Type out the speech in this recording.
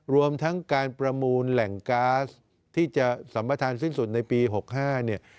รวมทั้งการประมูลแหล่งก๊าซที่จะสัมประธานสิ้นสุดในปี๖๕เนี่ย